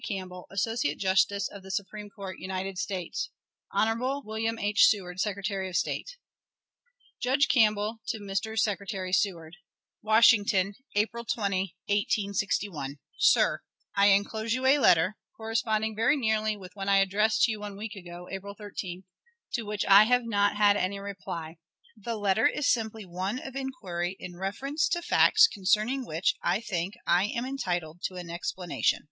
CAMPBELL, Associate Justice of the Supreme Court, United States. Hon. William H. Seward, Secretary of State. Judge Campbell to Mr. Secretary Seward. Washington, April 20, 1861. Sir: I inclose you a letter, corresponding very nearly with one I addressed to you one week ago (April 13th), to which I have not had any reply. The letter is simply one of inquiry in reference to facts concerning which, I think, I am entitled to an explanation.